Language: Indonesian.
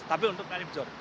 tapi untuk tarif jor